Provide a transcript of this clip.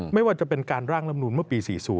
ไม่ว่าจะเป็นการร่างลำนูนเมื่อปี๔๐